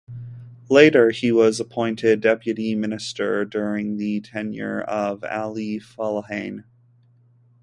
Later he was appointed deputy minister during the tenure of Ali Fallahian.